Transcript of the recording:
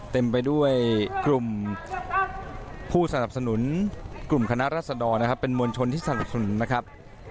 เต็มไปด้วยกลุ่มผู้สนับสนุนกลุ่มคณะรัศดรนะครับเป็นมวลชนที่สนับสนุนนะครับ